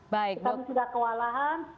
baik mbak kita juga kewalahan